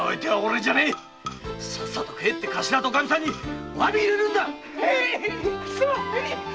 さっさと帰ってカシラとおカミさんに詫びを入れるんだ！